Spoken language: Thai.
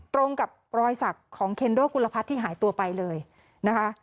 ตรงกับรอยสักของเคนโดกุลพัฒน์ที่หายตัวไปเลยนะคะ